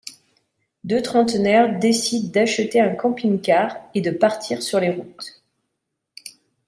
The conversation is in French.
Deux trentenaires décident d'acheter un camping-car et de partir sur les routes...